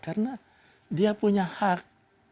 karena dia punya hak